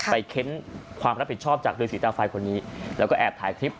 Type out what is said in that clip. เค้นความรับผิดชอบจากฤษีตาไฟคนนี้แล้วก็แอบถ่ายคลิป